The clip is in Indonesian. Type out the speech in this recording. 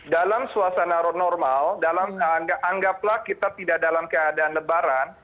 dalam suasana normal dalam anggaplah kita tidak dalam keadaan lebaran